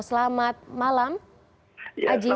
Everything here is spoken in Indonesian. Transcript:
selamat malam ajis